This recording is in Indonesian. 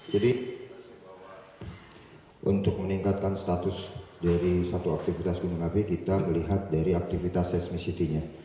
jadi untuk meningkatkan status dari satu aktivitas gunung api kita melihat dari aktivitas seismisidinya